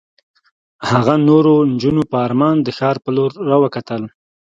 هغه نورو نجونو په ارمان د ښار په لور را وکتل.